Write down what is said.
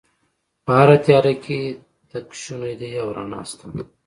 په هره تیاره کې تګ شونی دی او رڼا شته